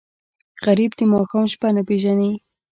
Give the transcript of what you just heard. غریب د ماښام شپه نه پېژني